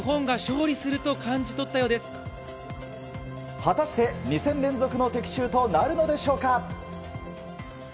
果たして、２戦連続の的中となるのでしょうか。